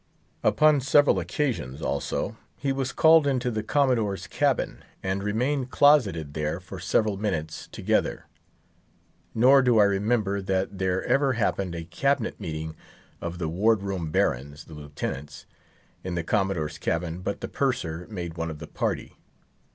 Upon several occasions, also, he was called into the Commodore's cabin, and remained closeted there for several minutes together. Nor do I remember that there ever happened a cabinet meeting of the ward room barons, the Lieutenants, in the Commodore's cabin, but the Purser made one of the party.